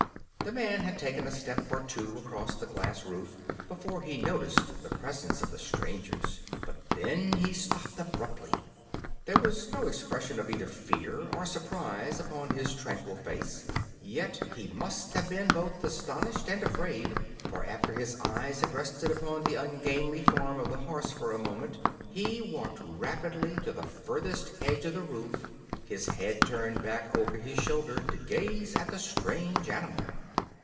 The man had taken a step or two across the glass roof before he noticed the presence of the strangers; but then he stopped abruptly. There was no expression of either fear or surprise upon his tranquil face, yet he must have been both astonished and afraid; for after his eyes had rested upon the ungainly form of the horse for a moment he walked rapidly to the furthest edge of the roof, his head turned back over his shoulder to gaze at the strange animal.